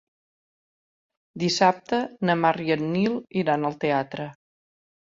Dissabte na Mar i en Nil iran al teatre.